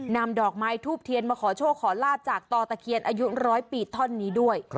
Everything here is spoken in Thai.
นำดอกไม้ทูบเทียนมาขอโชคขอลาบจากต่อตะเคียนอายุร้อยปีท่อนนี้ด้วย